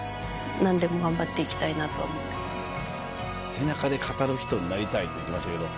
背中で語る人になりたいと言ってましたけど。